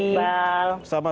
selamat pagi mbak iqbal